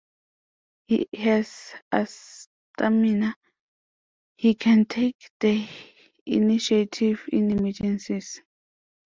He has stamina; he can take the initiative in emergencies.